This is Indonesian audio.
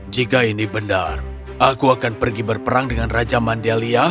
jika ini benar aku akan pergi berperang dengan raja mandelia